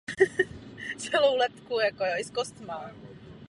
Populace je dlouhodobě stagnující.